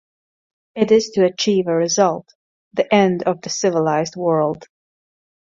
It is to achieve a result: the end of the civilized world.